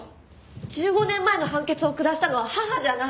１５年前の判決を下したのは母じゃない。